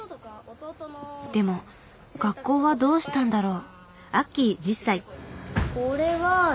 でも学校はどうしたんだろう？